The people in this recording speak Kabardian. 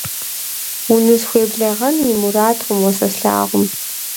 Унысхуеблэгъэн уи мурадкъым уэ сэ слъагъум.